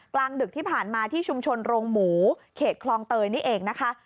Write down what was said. กลางดึกที่ผ่านมาที่ชุมชนโรงหมูเขตคลองเตยนี่เองนะคะ